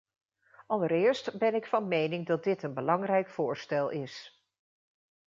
Allereerst ben ik van mening dat dit een belangrijk voorstel is.